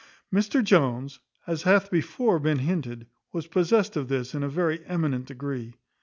Mr Jones, as hath been before hinted, was possessed of this in a very eminent degree.